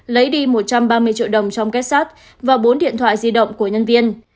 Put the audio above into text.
lấy đi một trăm ba mươi triệu đồng trong kết sát và bốn điện thoại di động của nhân viên